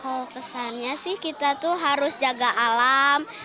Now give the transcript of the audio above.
oh kesannya sih kita tuh harus jaga alam